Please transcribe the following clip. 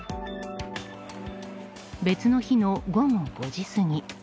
別の日の午後５時過ぎ。